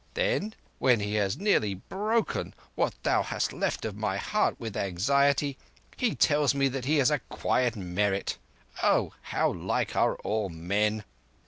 Then, when he has nearly broken what thou hast left of my heart with anxiety, he tells me that he has acquired merit. Oh, how like are all men!